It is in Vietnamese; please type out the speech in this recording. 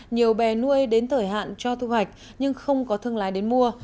nhiều bè nuôi đến thời hạn cho thu hoạch nhưng không có thương lái đến mua